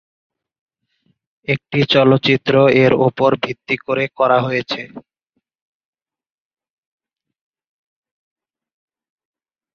একটি চলচ্চিত্র এর উপর ভিত্তি করে করা হয়েছে।